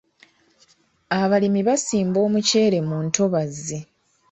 Abalimi basimba omuceere mu ntobazi.